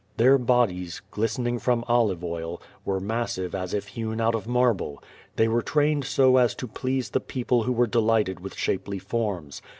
Their bodies, glistening A(y± QVO VADT8. from olive oil, were massive as if hewn out of marble. They were tmiiicd so as to please the people who were deliglited with shapely forms.